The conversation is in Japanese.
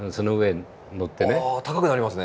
高くなりますね